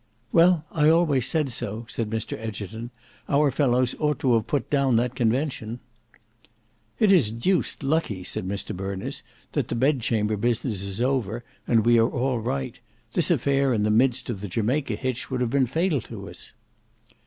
"Well I always said so," said Mr Egerton, "our fellows ought to have put down that Convention." "It is deuced lucky," said Mr Berners, "that the Bedchamber business is over, and we are all right. This affair in the midst of the Jamaica hitch would have been fatal to us."